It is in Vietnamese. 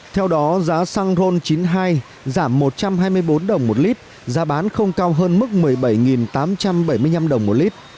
theo đó giá xăng ron chín mươi hai giảm một trăm hai mươi bốn đồng một lít giá bán không cao hơn mức một mươi bảy tám trăm bảy mươi năm đồng một lít